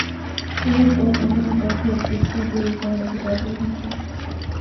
তিনি ঘোড়ার গমন পথে দৃষ্টি দিয়ে জায়গাটি পর্যবেক্ষণ করেন।